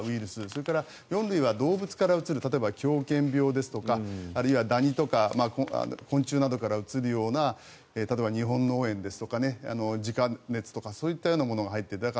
それから、４類は動物からうつる例えば狂犬病ですとかダニとか昆虫などからうつるような例えば日本脳炎とかジカ熱とかそういったものが入っている。